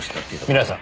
皆さん。